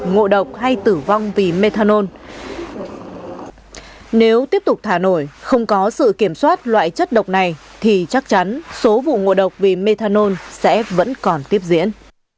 nếu chúng ta tiếp tục thả nổi không có sự kiểm soát loại chất độc này thì chắc chắn số vụ ngộ độc vì methanol sẽ vẫn còn tiếp diễn